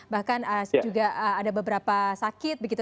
bahkan juga ada beberapa sakit begitu